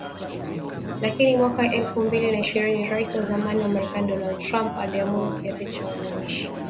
Lakini mwaka elfu mbili na ishirini Rais wa zamani wa Marekani Donald Trump aliamuru kiasi cha wanajeshi mia saba na hamsini wa Marekani